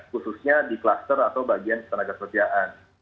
khususnya di kluster atau bagian tenaga kerjaan